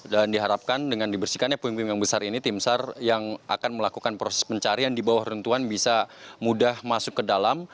dan diharapkan dengan dibersihkannya puing puing yang besar ini tim sar yang akan melakukan proses pencarian di bawah runtuhan bisa mudah masuk ke dalam